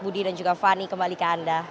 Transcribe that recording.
budi dan juga fani kembali ke anda